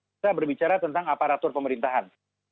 kita berbicara tentang aparatur pemerintahan